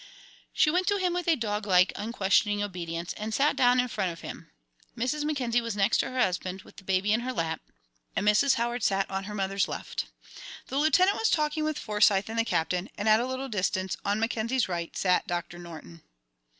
She went to him with a dog like, unquestioning obedience, and sat down in front of him. Mrs. Mackenzie was next to her husband, with the baby in her lap, and Mrs. Howard sat on her mother's left. The Lieutenant was talking with Forsyth and the Captain, and at a little distance, on Mackenzie's right, sat Doctor Norton.